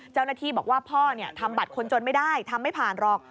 เจ้าหน้าที่บอกว่าพ่อทำบัตรคนจนไม่ได้ทำไม่ผ่านหรอก